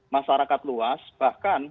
masyarakat luas bahkan